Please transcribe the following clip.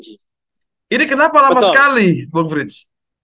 jadi kenapa lama sekali bu frits